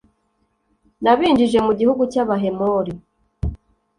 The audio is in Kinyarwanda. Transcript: nabinjije mu gihugu cy'abahemori